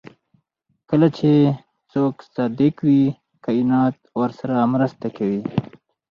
کله چې څوک صادق وي کائنات ورسره مرسته کوي.